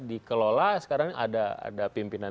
dikelola sekarang ada pimpinan